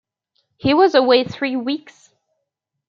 He was away three weeks.